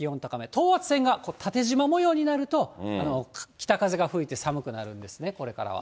等圧線が縦じま模様になると、北風が吹いて寒くなるんですね、これからは。